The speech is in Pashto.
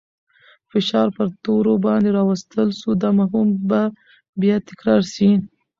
فشار پر تورو باندې راوستل سو. دا مفهوم به بیا تکرار سي.